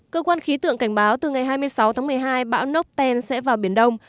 cơ quan khí tượng cảnh báo từ ngày hai mươi sáu tháng một mươi hai bão nukten sẽ vào biển đông